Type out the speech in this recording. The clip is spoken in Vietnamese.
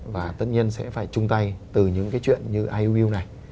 và tất nhiên sẽ phải chung tay từ những cái chuyện như iuu này